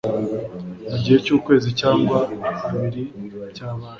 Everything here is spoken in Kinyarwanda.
mu gihe cy’ukwezi cyangwa abiri byabasha